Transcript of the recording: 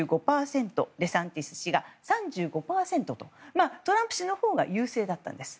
デサンティス氏が３５％とトランプ氏のほうが優勢だったんです。